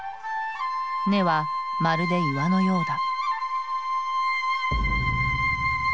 根はまるで岩のようだ。